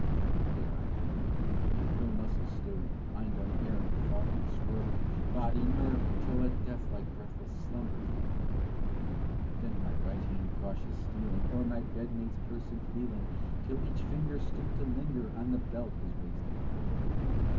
There I lay no muscle stirring, mind unerring, thought unswerving, Body nerving, till a death like, breathless slumber fell around; Then my right hand cautious stealing, o'er my bed mate's person feeling, Till each finger stooped to linger on the belt his waist that bound.